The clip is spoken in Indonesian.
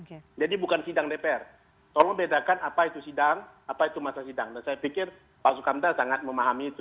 jadi tetapkan jadi bukan sidang dpr tolong bedakan apa itu sidang apa itu masa sidang dan saya pikir pak sukamda sangat memahami itu